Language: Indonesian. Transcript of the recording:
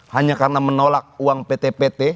hanya karena menolak uang pt pt